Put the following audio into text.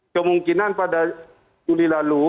kemungkinan pada juli lalu